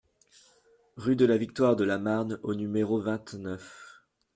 Rue de la Victoire de la Marne au numéro vingt-neuf